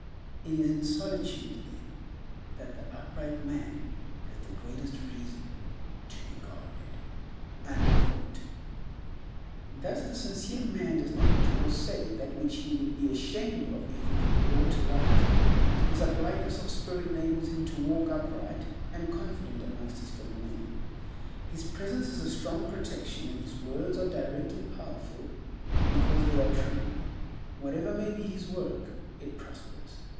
It is in solitude, then, that the upright man has the greatest reason to be guarded." Thus the sincere man does not do or say that which he would be ashamed of were it brought to light. His uprightness of spirit enables him to walk upright and confident among his fellow men. His presence is a strong protection, and his words are direct and powerful because they are true. Whatever may be his work, it prospers.